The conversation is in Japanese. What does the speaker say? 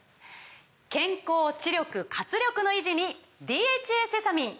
健康・知力・活力の維持に「ＤＨＡセサミン」！